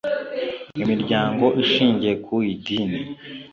imiryango ishingiye ku idini